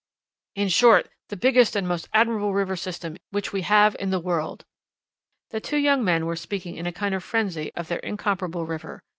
"In short, the biggest and most admirable river system which we have in the world." The two young men were speaking in a kind of frenzy of their incomparable river.